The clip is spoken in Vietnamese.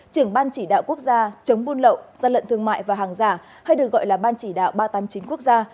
trưởng ban chỉ đạo quốc gia chống buôn lậu gian lận thương mại và hàng giả hay được gọi là ban chỉ đạo ba trăm tám mươi chín quốc gia